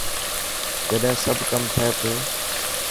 چڏهن سب ڪم ٿي پيو.